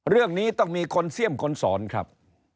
เรื่องนี้ต้องมีคนเสี่ยมคนสอนครับ